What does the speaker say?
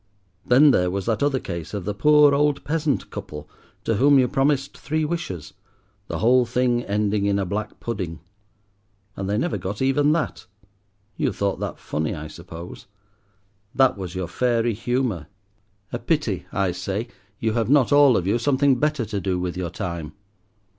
Then there was that other case of the poor old peasant couple to whom you promised three wishes, the whole thing ending in a black pudding. And they never got even that. You thought that funny, I suppose. That was your fairy humour! A pity, I say, you have not, all of you, something better to do with your time.